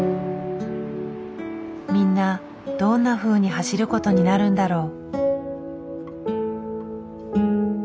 みんなどんなふうに走ることになるんだろう？